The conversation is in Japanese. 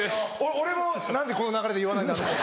俺も「何でこの流れで言わないんだろう？」。